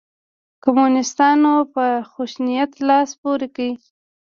کمونسیتانو په خشونت لاس پورې کړ.